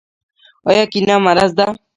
آیا کینه مرض دی؟